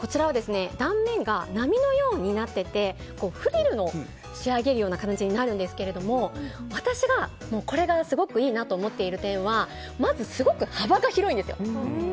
断面が波のようになっていてフリルに仕上げるような感じになるんですが私がこれがすごくいいと思っている点がまずすごく幅が広いんですよ。